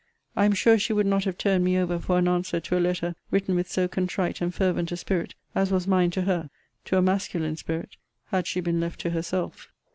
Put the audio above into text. I am sure she would not have turned me over for an answer to a letter written with so contrite and fervent a spirit, as was mine to her, to a masculine spirit, had she been left to herself.